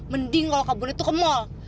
mending kalau kabarnya tuh ke mall